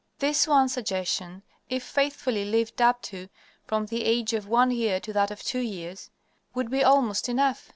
This one suggestion, if faithfully lived up to from the age of one year to that of two years, would be almost enough.